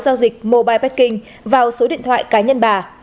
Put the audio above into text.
giao dịch mobile maping vào số điện thoại cá nhân bà